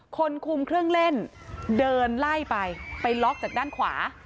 คนคุมเครื่องเล่นเดินไล่ไปไปล็อกจากด้านขวา